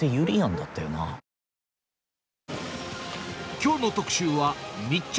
きょうの特集は、密着！